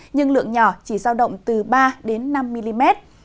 nhưng lượng nhỏ chỉ giao động từ ba đến năm mm